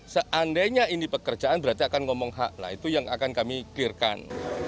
seandainya ini pekerjaan berarti akan ngomong hak nah itu yang akan kami klirkan